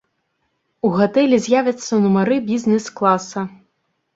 У гатэлі з'явяцца нумары бізнэс-класа.